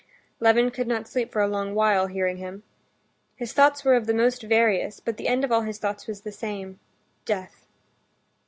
Levin could not sleep for a long while, hearing him. His thoughts were of the most various, but the end of all his thoughts was the same—death.